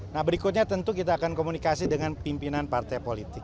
nah berikutnya tentu kita akan komunikasi dengan pimpinan partai politik